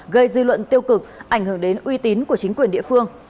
gây dư luận tiêu cực ảnh hưởng đến uy tín của chính quyền địa phương